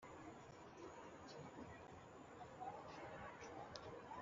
Rero yesu yagereranyije urupfu no gusinzira burundu